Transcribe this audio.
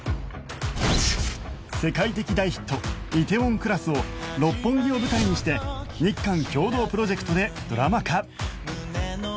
世界的大ヒット『梨泰院クラス』を六本木を舞台にして日韓共同プロジェクトでドラマ化